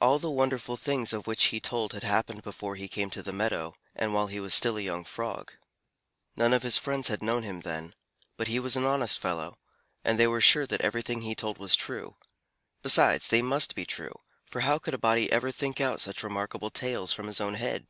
All the wonderful things of which he told had happened before he came to the meadow, and while he was still a young Frog. None of his friends had known him then, but he was an honest fellow, and they were sure that everything he told was true: besides, they must be true, for how could a body ever think out such remarkable tales from his own head?